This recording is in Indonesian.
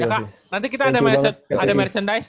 ya kak nanti kita ada merchandise